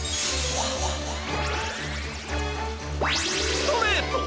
ストレート！